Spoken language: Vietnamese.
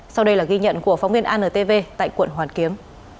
sau đây là ghi nhận của phóng viên antv tại quận hoàn kiếm